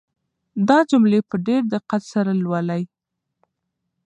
دا جملې په ډېر دقت سره ولولئ.